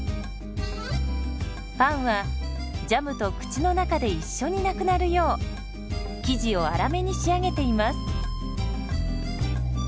パンはジャムと口の中で一緒になくなるよう生地を粗めに仕上げています。